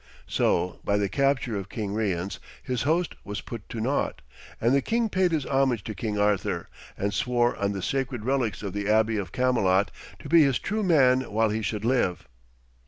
So, by the capture of King Rience, his host was put to naught, and the king paid his homage to King Arthur, and swore on the sacred relics of the Abbey of Camelot to be his true man while he should live.